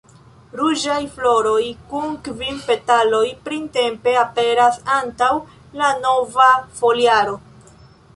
Ruĝaj floroj kun kvin petaloj printempe aperas antaŭ la nova foliaro.